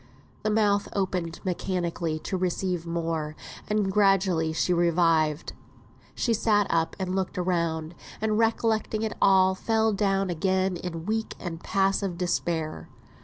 The mouth opened mechanically to receive more, and gradually she revived. She sat up and looked round; and recollecting all, fell down again in weak and passive despair.